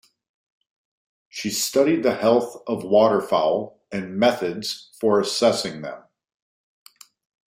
She studied the health of waterfowl and methods for assessing them.